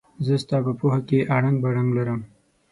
زه ستا په پوهه کې اړنګ بړنګ لرم.